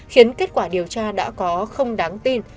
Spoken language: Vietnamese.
khiến kết quả điều tra đã có không đáng tin